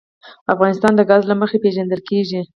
افغانستان د ګاز له مخې پېژندل کېږي.